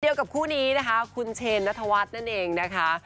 กับคู่นี้นะคะคุณเชนนัทวัฒน์นั่นเองนะคะ